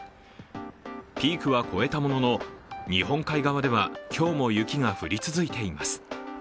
ピークは越えたものの日本海側では今日も雪が降り続いています。